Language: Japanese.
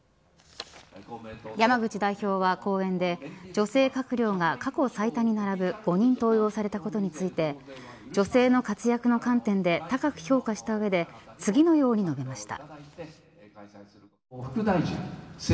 山口代表は講演で女性閣僚が過去最多に並ぶ５人登用されたことについて女性の活躍の観点で高く評価した上で次のように述べました。